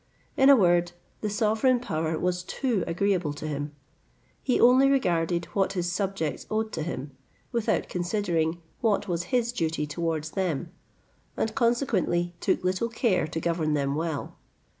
In a word, the sovereign power was too agreeable to him. He only regarded what his subjects owed to him, without considering what was his duty towards them, and consequently took little care to govern them well.